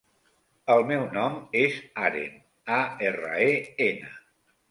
El meu nom és Aren: a, erra, e, ena.